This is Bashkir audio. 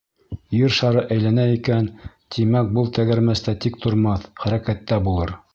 Ер шары әйләнә икән, тимәк был тәгәрмәс тә тик тормаҫ, хәрәкәттә булыр.